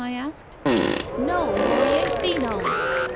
I asked. * No, nor he ain't been 'ome.'